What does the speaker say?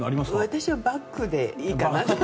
私はバッグでいいかな。